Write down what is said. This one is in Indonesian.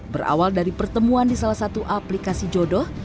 berawal dari pertemuan di salah satu aplikasi jodoh